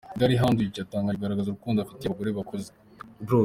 Gary Hardwick yatangiye kugaragaza urukundo afitiye abagore bakuze.